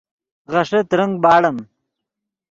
غیݰے ترنگ باڑیم